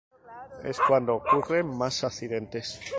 Es cuando ocurren más accidentes.